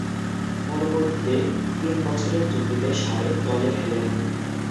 পরবর্তীতে, তিন বছরের চুক্তিতে সারে দলে খেলেন।